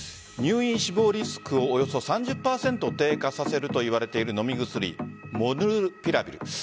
入院、死亡リスクをおよそ３０％低下させるといわれている飲み薬モルヌピラビル。